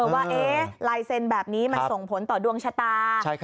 ว่าลายเซ็นต์แบบนี้มันส่งผลต่อดวงชะตา